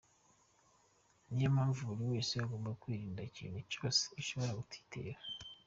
Ni yo mpamvu buri wese agomba kwirinda ikintu cyose gishobora kuyitera."